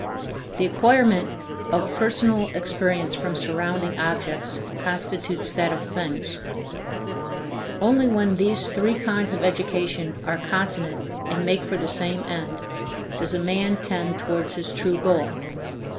The acquirement of personal experience from surrounding objects constitutes that of things. Only when these three kinds of education are consonant and make for the same end, does a man tend towards his true goal.